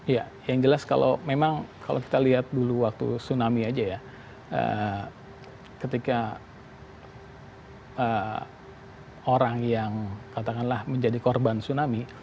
ya yang jelas kalau memang kalau kita lihat dulu waktu tsunami aja ya ketika orang yang katakanlah menjadi korban tsunami